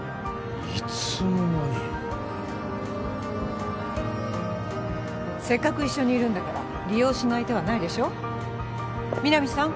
いつの間にせっかく一緒にいるんだから利用しない手はないでしょ皆実さん